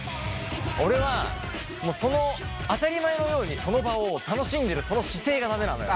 俺はその当たり前のようにその場を楽しんでるその姿勢が駄目なのよ。